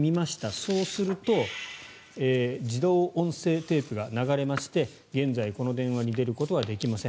そうすると自動音声テープが流れまして現在この電話に出ることはできません